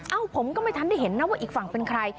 ผมก็ไม่ทันได้เห็นนะว่าอีกฝั่งเป็นใคร